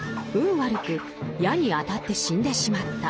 悪く矢に当たって死んでしまった。